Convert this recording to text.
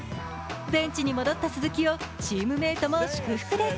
ベンチに戻った鈴木をチームメイトも祝福です。